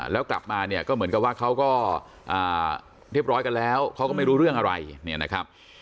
แล้วกลับมาเนี่ยก็เหมือนกับว่าเขาก็เรียบร้อยกันแล้วเขาก็ไม่รู้เรื่องอะไรเนี่ยนะครับ